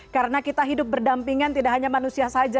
karena kita hidup berdampingan tidak hanya manusia saja